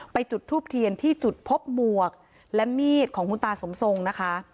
จุดทูบเทียนที่จุดพบหมวกและมีดของคุณตาสมทรงนะคะ